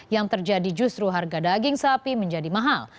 yang terjadi justru harga daging sapi menjadi mahal